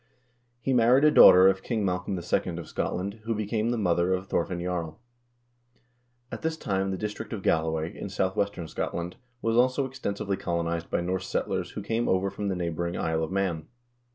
He married a daughter of King Malcolm II. of Scotland, who became the mother of Thorfinn Jarl. At this time the district of Galloway, in southwestern Scotland, was also extensively colonized by Norse settlers who came over from the neighboring Isle of Man.